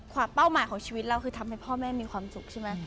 เป้าหมายของชีวิตเราคือทำให้พ่อแม่มีความสุขใช่ไหม